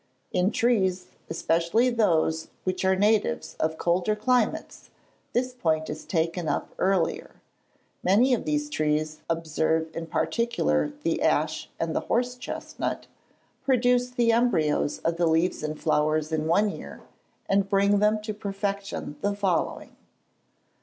In trees, especially those which are natives of colder climates, this point is taken up earlier. Many of these trees (observe in particular the ash and the horse chestnut) produce the embryos of the leaves and flowers in one year, and bring them to perfection the following.